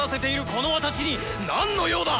この私に何の用だ⁉